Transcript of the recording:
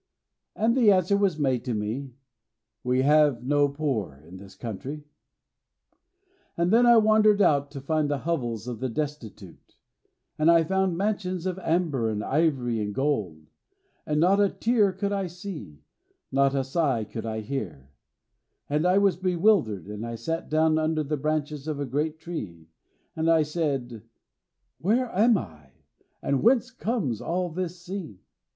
And the answer was made me, 'We have no poor in this country.' "And then I wandered out to find the hovels of the destitute, and I found mansions of amber and ivory and gold; but not a tear could I see, not a sigh could I hear; and I was bewildered, and I sat down under the branches of a great tree, and I said, 'Where am I, and whence comes all this scene?'